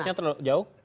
misalnya terlalu jauh